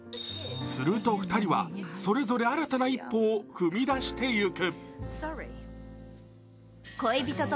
すると２人はそれぞれ新たな一歩を踏み出していく。